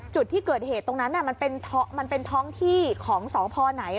จุดที่เกิดเหตุตรงนั้นมันเป็นท้องที่ของสพไหน